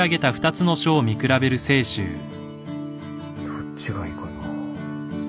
どっちがいいかな。